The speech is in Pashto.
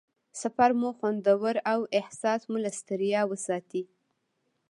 سفر مو خوندور او احساس مو له ستړیا وساتي.